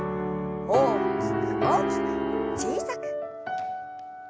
大きく大きく小さく。